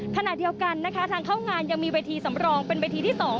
ขณะเดียวกันนะคะทางเข้างานยังมีเวทีสำรองเป็นเวทีที่๒